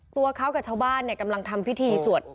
ตัวเขากับชาวบ้านกำลังทำพิธีสวด